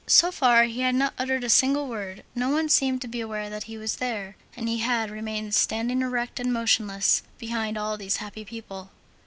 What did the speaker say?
So far he had not uttered a single word, no one seemed to be aware that he was there, and he had remained standing erect and motionless, behind all these happy people.